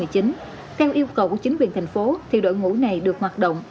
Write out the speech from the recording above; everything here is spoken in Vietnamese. theo yêu cầu của chính quyền thành phố thì đội ngũ này được hoạt động